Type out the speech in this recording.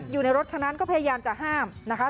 อยู่ในรถคันนั้นก็พยายามจะห้ามนะคะ